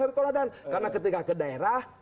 kereta ladang karena ketika ke daerah